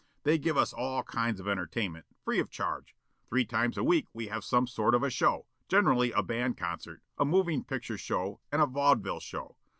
They give us all kinds of entertainment, free of charge. Three times a week we have some sort of a show, generally a band concert, a movin' picture show and a vaudeville show.